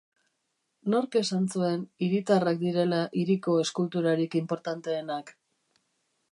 Nork esan zuen hiritarrak direla hiriko eskulturarik inportanteenak?